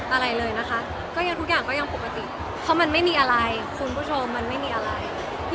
อะไรเลยนะคะก็ยังทุกอย่างก็ยังปกติเพราะมันไม่มีอะไรคุณผู้ชมมันไม่มีอะไร